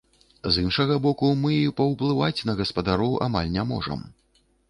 З іншага боку, мы і паўплываць на гаспадароў амаль не можам.